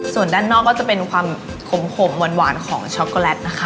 ส่วนด้านนอกก็จะเป็นความขมหวานของช็อกโกแลตนะคะ